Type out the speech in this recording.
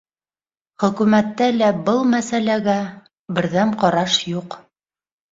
Хөкүмәттә лә был мәсьәләгә берҙәм ҡараш юҡ.